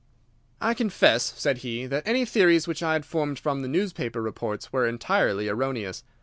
"I confess," said he, "that any theories which I had formed from the newspaper reports were entirely erroneous.